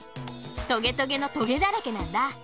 トゲトゲのトゲだらけなんだ。